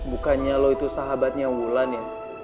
bukannya lo itu sahabatnya wulan ya